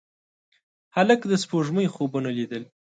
هلک د سپوږمۍ خوبونه لیدل.